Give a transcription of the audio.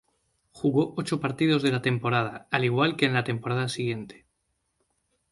Jugó ocho partidos de la temporada, al igual que en la temporada siguiente.